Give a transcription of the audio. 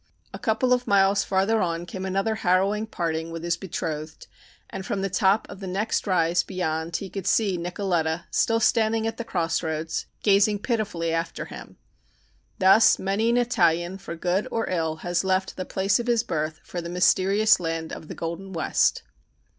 A couple of miles farther on came another harrowing parting with his betrothed, and from the top of the next rise beyond he could see Nicoletta still standing at the crossroads gazing pitifully after him. Thus many an Italian, for good or ill, has left the place of his birth for the mysterious land of the Golden West.